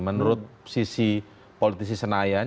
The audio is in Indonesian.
menurut sisi politisi senayan